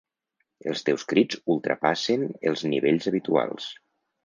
Els teus crits ultrapassen els nivells habituals.